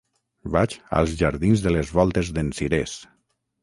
Vaig als jardins de les Voltes d'en Cirés.